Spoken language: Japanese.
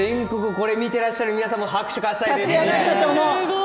これを見ていらっしゃる方からも拍手喝采ですよ。